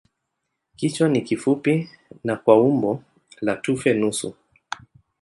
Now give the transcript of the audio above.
Kichwa ni kifupi na kwa umbo la tufe nusu.